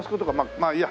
まあいいや。